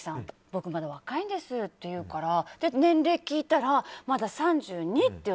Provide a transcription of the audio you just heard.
僕、まだ若いんですって言うから年齢聞いたらまだ３２って。